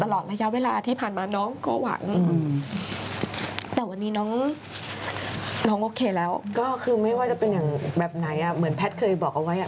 ตลอดระยะเวลาที่ผ่านมาน้องก็หวังแต่วันนี้น้องโอเคแล้วก็คือไม่ว่าจะเป็นอย่างแบบไหนเหมือนแพทย์เคยบอกเอาไว้